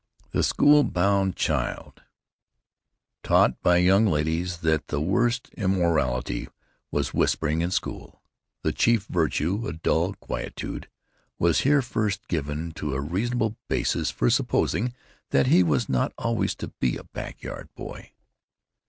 The school bound child—taught by young ladies that the worst immorality was whispering in school; the chief virtue, a dull quietude—was here first given a reasonable basis for supposing that he was not always to be a back yard boy.